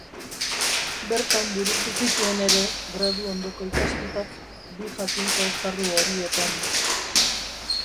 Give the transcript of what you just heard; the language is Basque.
Bertan burutu zituen ere gradu-ondoko ikasketak bi jakintza esparru horietan.